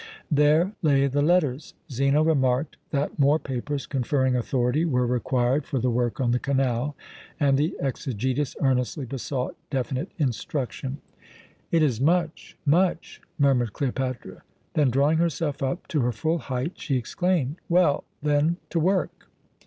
There lay the letters. Zeno remarked that more papers conferring authority were required for the work on the canal, and the Exegetus earnestly besought definite instruction. "It is much much," murmured Cleopatra. Then, drawing herself up to her full height, she exclaimed, "Well, then, to work!"